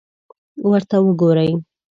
ورته وګورئ!